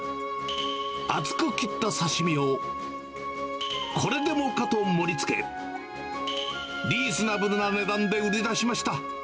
厚く切った刺身を、これでもかと盛りつけ、リーズナブルな値段で売りだしました。